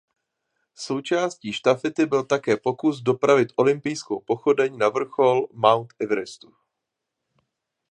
Součástí štafety byl také pokus dopravit olympijskou pochodeň na vrchol Mount Everestu.